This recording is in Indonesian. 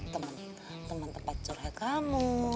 teman tempat curhat kamu